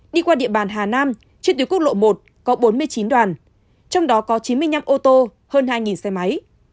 đi qua địa bàn hà nam trên tuyến quốc lộ một có bốn mươi chín đoàn trong đó có chín mươi năm ô tô hơn hai xe máy